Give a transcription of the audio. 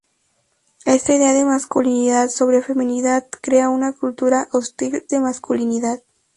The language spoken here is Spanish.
Esta idea de masculinidad sobre feminidad crea una cultura hostil de masculinidad.